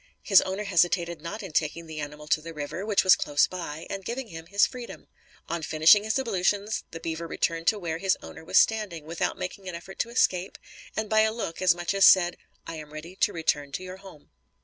His owner hesitated not in taking the animal to the river, which was close by, and giving him his freedom. On finishing his ablutions the beaver returned to where his owner was standing, without making an effort to escape, and by a look as much as said, "I am ready to return to your home."